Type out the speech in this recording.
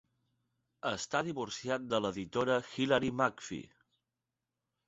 Està divorciat de l'editora Hilary McPhee.